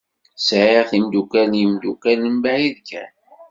Sɛiɣ timdukal d yimdukal mebɛid kan.